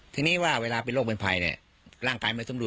ทีนี้ว่าเวลาเป็นโรคเป็นภัยเนี่ยร่างกายไม่สมร